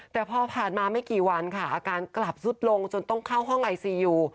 แต่พอผ่านมาไม่กี่วันค่ะอาการกลับสุดลงจนต้องเข้าห้องไอซียู